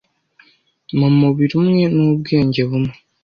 mumubiri umwe n'ubwenge bumwe.